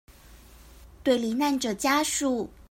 對罹難者家屬